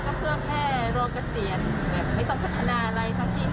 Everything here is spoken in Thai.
ก็เพื่อแค่รอเกษียณแบบไม่ต้องพัฒนาอะไรทั้งสิ้น